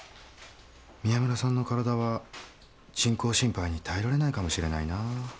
宮村さんの体は人工心肺に耐えられないかもしれないな